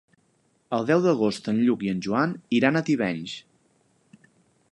El deu d'agost en Lluc i en Joan iran a Tivenys.